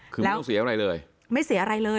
คือไม่ต้องเสียอะไรเลยไม่เสียอะไรเลย